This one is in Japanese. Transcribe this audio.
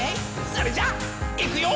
それじゃいくよ」